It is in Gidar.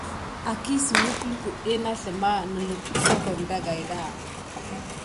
Akisuwək lukuɗɗe na sləma nilin suduho dagida.